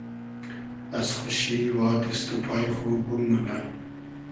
از خوشی وا دیست و پای خو گوم مونۂ